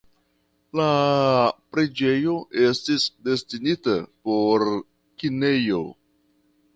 La la preĝejo estis destinita por kinejo.